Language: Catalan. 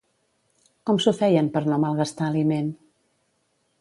Com s'ho feien per no malgastar aliment?